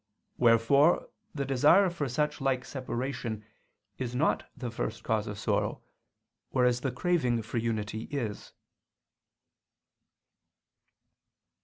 Wherefore the desire for such like separation is not the first cause of sorrow, whereas the craving for unity is.